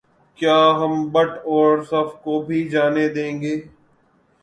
کیا ہم بٹ اور صف کو بھی جانے دیں گے